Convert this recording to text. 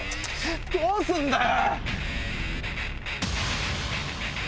どうすんだよ